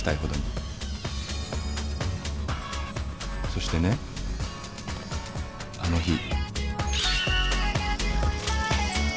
そしてねあの日。